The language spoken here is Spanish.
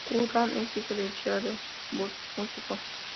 Kurland es hijo de Sheldon Kurland, músico.